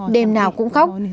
đêm nào cũng khóc